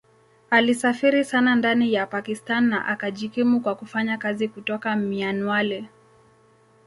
Alisafiri sana ndani ya Pakistan na akajikimu kwa kufanya kazi kutoka Mianwali.